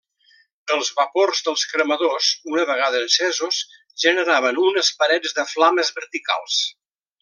Els vapors dels cremadors una vegada encesos generaven unes parets de flames verticals.